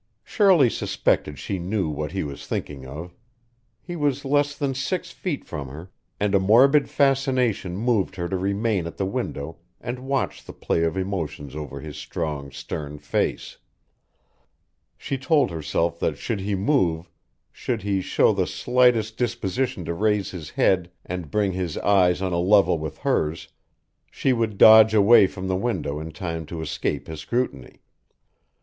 Shirley suspected she knew what he was thinking of; he was less than six feet from her, and a morbid fascination moved her to remain at the window and watch the play of emotions over his strong, stern face. She told herself that should he move, should he show the slightest disposition to raise his head and bring his eyes on a level with hers, she would dodge away from the window in time to escape his scrutiny.